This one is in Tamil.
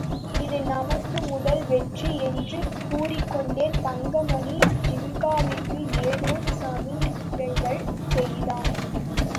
இது நமக்கு முதல் வெற்றி என்று கூறிக்கொண்டே தங்கமணி ஜின்காவிற்கு ஏதேதோ சமிக்ஞைகள் செய்தான்.